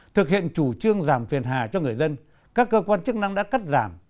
thực hiện chủ trương giảm phiền hà cho người dân các cơ quan chức năng đã cắt giảm